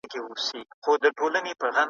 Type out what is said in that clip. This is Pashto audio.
استازي ولي بحث کوي؟